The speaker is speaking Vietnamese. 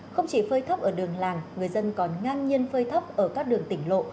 không chỉ phơi thóc ở đường làng người dân còn ngang nhiên phơi thóc ở các đường tỉnh lộ